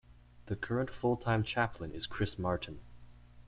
The current full-time chaplain is Chris Martin.